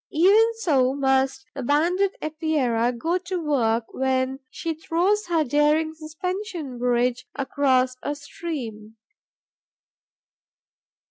Even so must the Banded Epeira go to work when she throws her daring suspension bridge across a stream.